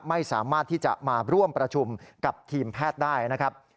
ไม่สามารถที่จะมาร่วมประชุมกับทีมแพทย์ได้นะครับ